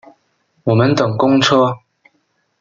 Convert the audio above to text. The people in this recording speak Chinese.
我们等公车